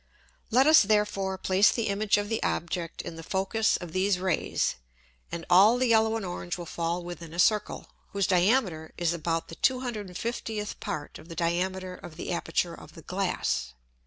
Let us therefore place the Image of the Object in the Focus of these Rays, and all the yellow and orange will fall within a Circle, whose Diameter is about the 250th Part of the Diameter of the Aperture of the Glass.